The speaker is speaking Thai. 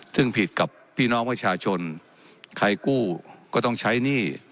ซึ่งผิดกับพี่น้องประชาชนใครกู้ก็ต้องใช้หนี้